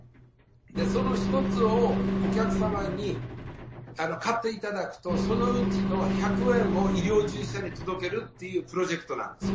その１つをお客様に買っていただくと、そのうちの１００円を医療従事者に届けるっていうプロジェクトなんですよ。